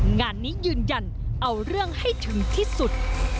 งานนี้ยืนยันเอาเรื่องให้ถึงที่สุด